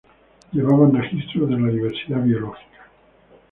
Llevaban registros de la diversidad biológica.